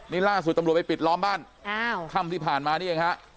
นี่ล่าสุดตำรวจไปปิดล้อมบ้านอ้าวค่ำที่ผ่านมานี่เองฮะ